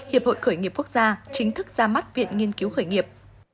hiệp hội khởi nghiệp quốc gia chính thức ra mắt viện nghiên cứu khởi nghiệp